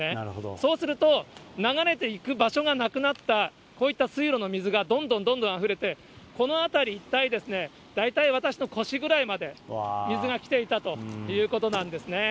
そうすると、流れていく場所がなくなった、こういった水路の水がどんどんどんどんあふれて、この辺り一帯ですね、大体、私の腰ぐらいまで水が来ていたということなんですね。